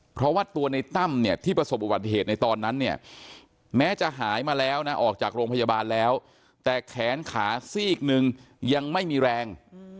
เพราะว่าตัวในตั้มเนี่ยที่ประสบอุบัติเหตุในตอนนั้นเนี่ยแม้จะหายมาแล้วนะออกจากโรงพยาบาลแล้วแต่แขนขาซีกหนึ่งยังไม่มีแรง